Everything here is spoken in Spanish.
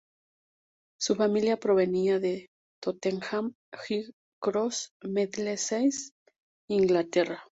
Su familia provenía de Tottenham High Cross, Middlesex, Inglaterra.